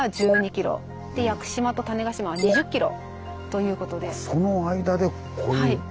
屋久島と種子島は２０ｋｍということです。